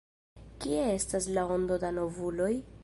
Kie estas la ondo da novuloj?